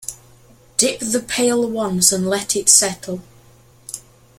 Dip the pail once and let it settle.